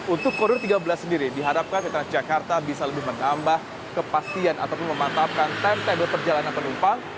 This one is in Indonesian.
untuk koridor tiga belas sendiri diharapkan transjakarta bisa lebih menambah kepastian ataupun memantapkan timetable perjalanan penumpang